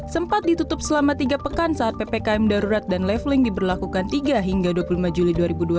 sempat ditutup selama tiga pekan saat ppkm darurat dan leveling diberlakukan tiga hingga dua puluh lima juli dua ribu dua puluh